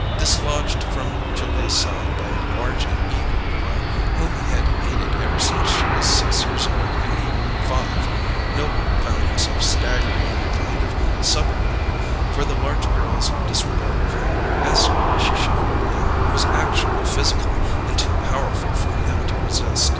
Dislodged from Julia's side by a large and eager girl, whom he had hated ever since she was six years old and he five, Noble found himself staggering in a kind of suburb; for the large girl's disregard of him, as she shouldered in, was actually physical, and too powerful for him to resist.